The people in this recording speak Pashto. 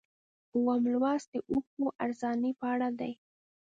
اووم لوست د اوښکو ارزاني په اړه دی.